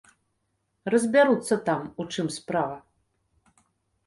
Разбяруцца там, у чым справа.